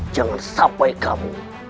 jangan sampai kamu